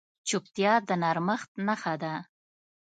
چوپتیا، د نرمښت نښه ده.